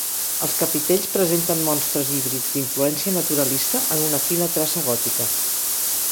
Els capitells presenten monstres híbrids d'influència naturalista, en una fina traça gòtica.